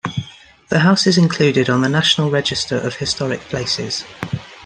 The house is included on the National Register of Historic Places.